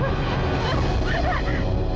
orang lain buat mereka